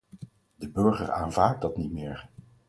De burger aanvaardt dat niet meer.